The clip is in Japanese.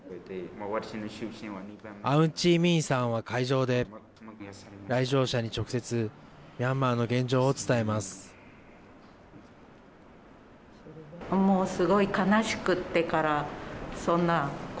アウンチーミィンさんは会場で来場者に直接ミャンマーの現状を伝えます。